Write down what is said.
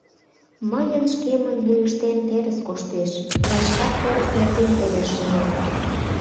Мыйын шкемын вуйыштем терыс коштеш: мый шкат терыс нерген эре шонем.